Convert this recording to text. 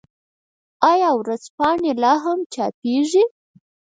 آیا ورځپاڼې لا هم چاپيږي؟